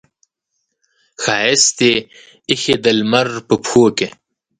ښایست یې ایښې د لمر په پښو کې